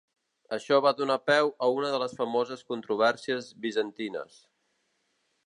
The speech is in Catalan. Això va donar peu a una de les famoses controvèrsies bizantines.